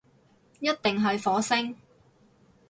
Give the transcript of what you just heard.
一定係火星